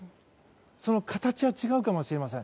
その形は違うかもしれません。